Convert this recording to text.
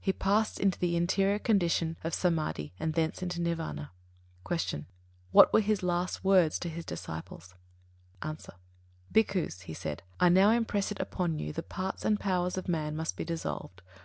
He passed into the interior condition of Samādhi and thence into Nirvāna. 100. Q. What were his last words to his disciples? A. "Bhikkhus," he said, "I now impress it upon you, the parts and powers of man must be dissolved.